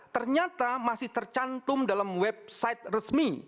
ternyata masih tercantum dalam website resmi